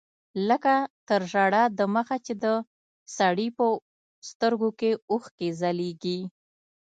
لکه تر ژړا د مخه چې د سړي په سترګو کښې اوښکې ځلېږي.